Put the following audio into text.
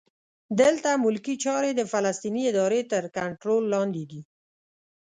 دلته ملکي چارې د فلسطیني ادارې تر کنټرول لاندې دي.